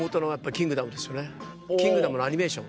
『キングダム』のアニメーション。